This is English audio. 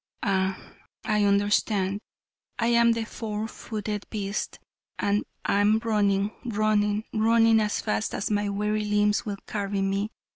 Ah, I understand. I am the four footed beast and am running, running, running as fast as my weary limbs will carry me.